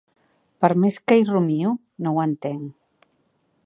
Per més que hi rumio, no ho entenc.